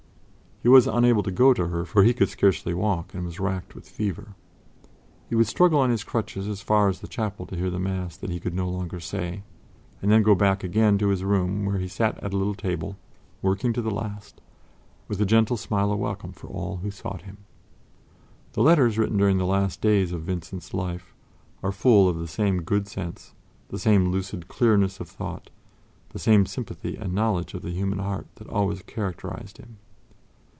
He was unable to go to her, for he could scarcely walk and was racked with fever. He would struggle on his crutches as far as the chapel to hear the Mass that he could no longer say and then go back again to his room, where he sat at a little table, working to the last, with a gentle smile of welcome for all who sought him. The letters written during the last days of Vincent's life are full of the same good sense, the same lucid clearness of thought, the same sympathy and knowledge of the human heart that always characterized him.